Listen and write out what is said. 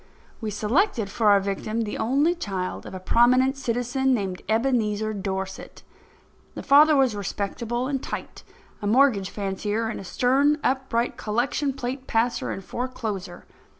We selected for our victim the only child of a prominent citizen named Ebenezer Dorset. The father was respectable and tight, a mortgage fancier and a stern, upright collection plate passer and forecloser.